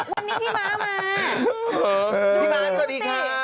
วันนี้พี่มามา